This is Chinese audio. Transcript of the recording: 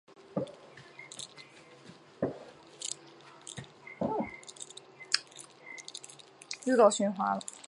西沙折额蟹为蜘蛛蟹总科折额蟹属的动物。